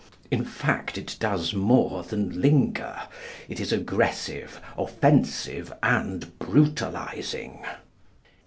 In fact, it does more than linger; it is aggressive, offensive, and brutalising.